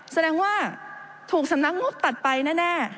แสดงว่าถูกสำนักงบตัดไปแน่